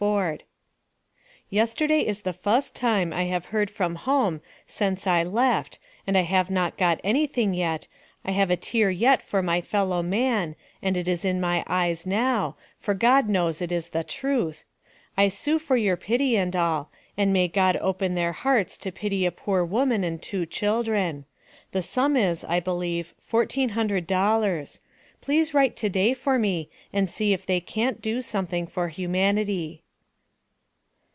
FORD. Yesterday is the fust time i have heard from home Sence i left and i have not got any thing yet i have a tear yet for my fellow man and it is in my eyes now for God knows it is tha truth i sue for your Pity and all and may God open their hearts to Pity a poor Woman and two children. The Sum is i believe 14 hundred Dollars Please write to day for me and see if the cant do something for humanity.